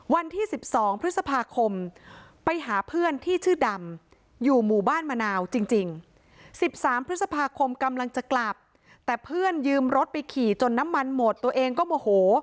วันที่๑๒พฤษภาคมไปหาเพื่อนที่ชื่อดำอยู่หมู่บ้านมะนาวจริง๑๓พฤษภาคมกำลังจะกลับแต่เพื่อนยืมรถไปขี่จนน้ำมันหมดตัวเองก็โมโห